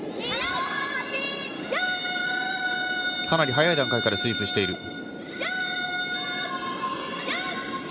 かなり早い段階からスイープしている。